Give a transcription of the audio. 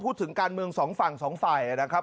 พูดถึงการเมืองสองฝั่งสองฝ่ายนะครับ